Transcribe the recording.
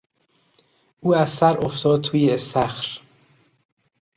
او از سر افتاد توی استخر.